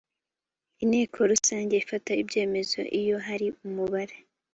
inteko rusange ifata ibyemezo iyo hari umubare